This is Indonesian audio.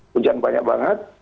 hujan banyak banget